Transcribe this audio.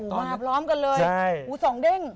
มาพร้อมกันเลยหูสองเด้ง